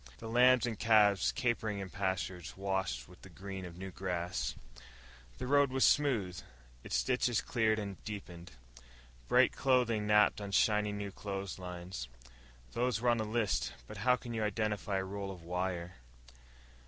The lambs and calves capering in pastures washed with the green of new grass. The road was smooth, its ditches cleared and deepened. Bright clothing napped on shiny new clotheslines (those were on the list, but how can you identify a roll of wire?).